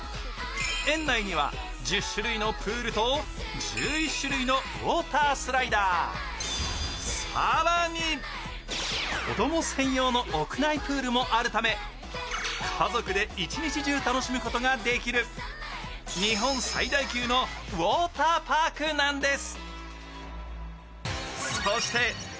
園内には１０種類のプールと１１種類のウォータースライダー、更に子供専用の屋内プールもあるため家族で一日中楽しむことができる日本最大級のウォーターパークなんです。